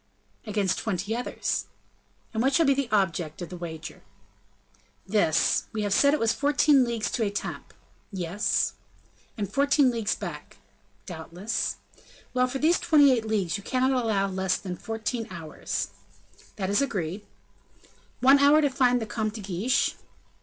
"Against twenty others." "And what shall be the object of the wager?" "This. We have said it was fourteen leagues to Etampes." "Yes." "And fourteen leagues back?" "Doubtless." "Well; for these twenty eight leagues you cannot allow less than fourteen hours?" "That is agreed." "One hour to find the Comte de Guiche."